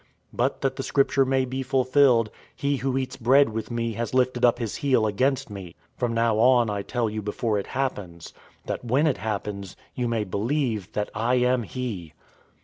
But that the Scripture may be fulfilled, 'He who eats bread with me has lifted up his heel against me.'{Psalm 41:9} 013:019 From now on, I tell you before it happens, that when it happens, you may believe that I am he.